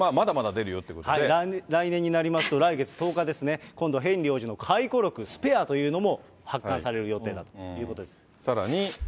来年になりますと、来月１０日ですね、今度、ヘンリー王子の回顧録、スペアというのも発刊される予定だというさらに。